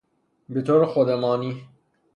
به طورخودمانی